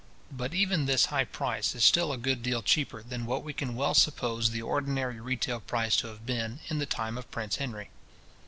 But even this high price is still a good deal cheaper than what we can well suppose the ordinary retail price to have been in the time of Prince Henry.